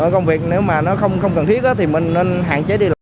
công việc nếu mà nó không cần thiết thì mình nên hạn chế đi lại